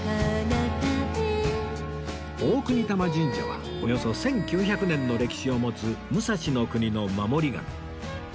大國魂神社はおよそ１９００年の歴史を持つ武蔵国の守り神